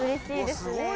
すごい！